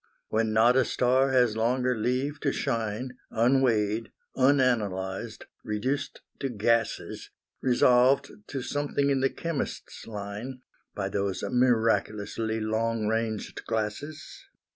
When not a star has longer leave to shine, Unweighed, unanalysed, reduced to gases, Resolved to something in the chemist's line, By those miraculously long ranged glasses.